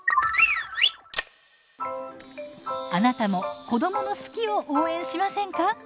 あなたも子どもの「好き」を応援しませんか？